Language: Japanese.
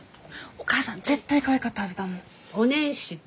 お母さん絶対かわいかったはずだもん。お年始と。